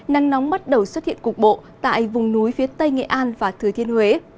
nắng nóng bắt đầu xuất hiện cục bộ tại vùng núi phía tây nghệ an và thừa thiên huế